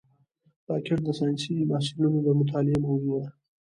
راکټ د ساینسي محصلینو د مطالعې موضوع ده